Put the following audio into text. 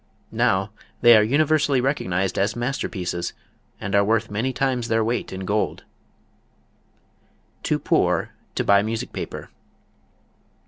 Now they are universally recognized as masterpieces and are worth many times their weight in gold. Too Poor to Buy Music Paper.